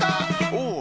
おお！